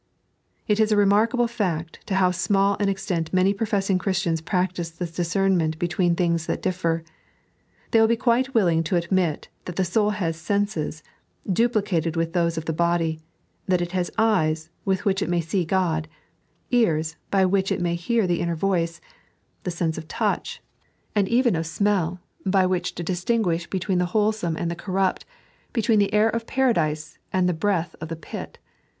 It is a remarkable t&at to how small an extent many professing Christians practise this discernment between things that differ. They will be quite willing to admit that the soul has senses, duplicated with those of the body ; that it has eyea, with which it may see God ; ears, by which it may hear the inner voice ; the sense of touch, and even 3.n.iized by Google 62 The Rule of the Etb. of smell, by which to distingaish between the wholeeome and the corrupt, between the air of Paradise and the breath of the pit.